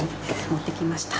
持ってきました。